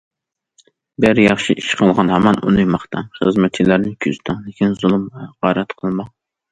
بىر ياخشى ئىش قىلغان ھامان ئۇنى ماختاڭ، خىزمەتچىلەرنى كۆزىتىڭ، لېكىن زۇلۇم ۋە ھاقارەت قىلماڭ.